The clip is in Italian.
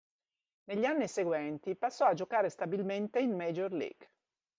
Negli anni seguenti passò a giocare stabilmente in Major League.